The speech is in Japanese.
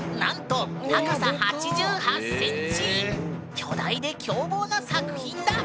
巨大で凶暴な作品だ。